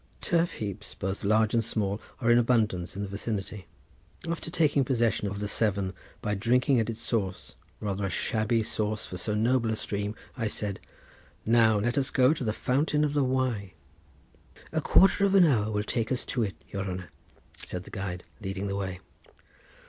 Turf heaps, both large and small, are in abundance in the vicinity. After taking possession of the Severn by drinking at its source, rather a shabby source for so noble a stream, I said, "Now let us go to the fountain of the Wye." "A quarter of an hour will take us to it, your honour," said the guide, leading the way.